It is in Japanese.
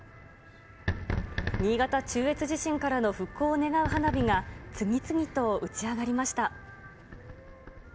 新潟中越地震からの復興を願う花火が、次々と打ち上がりました。